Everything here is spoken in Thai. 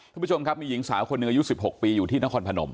ทุกผู้ชมครับมีหญิงสาวคนเนื้อยุดสิบหกปีอยู่ที่นครพนม